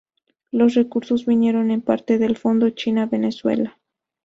Los recursos vinieron en parte del fondo China Venezuela.